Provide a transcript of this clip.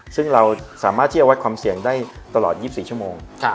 ซึ่งเราสามารถที่จะวัดความเสี่ยงได้ตลอด๒๔ชั่วโมง